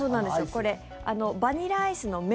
これ、バニラアイスの麺